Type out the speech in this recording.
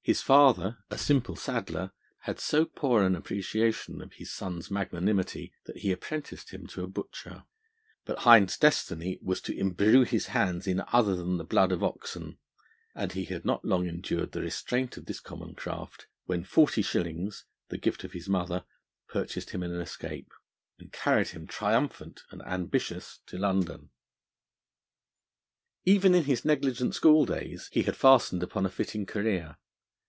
His father, a simple saddler, had so poor an appreciation of his son's magnanimity, that he apprenticed him to a butcher; but Hind's destiny was to embrue his hands in other than the blood of oxen, and he had not long endured the restraint of this common craft when forty shillings, the gift of his mother, purchased him an escape, and carried him triumphant and ambitious to London. Even in his negligent schooldays he had fastened upon a fitting career.